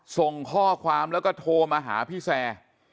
ส่งข้อความแล้วก็โทรมาหาพี่แซร์